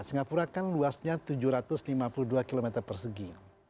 singapura kan luasnya tujuh ratus lima puluh dua km persegi